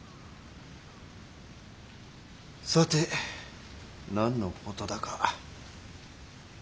さて何のことだか。